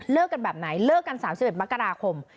กันแบบไหนเลิกกัน๓๑มกราคม